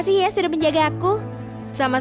saya sudah berjaga di sini